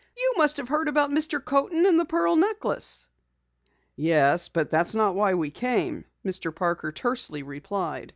"You must have heard about Mr. Coaten and the pearl necklace!" "Yes, but that's not why we came," Mr. Parker tersely replied.